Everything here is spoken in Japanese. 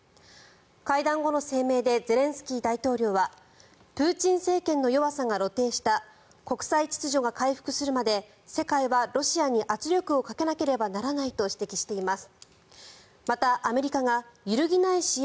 会談後の声明でゼレンスキー大統領はプーチン政権の弱さが露呈した国際秩序が回復するまで世界はロシアに圧力をかけなければならないと指摘しています。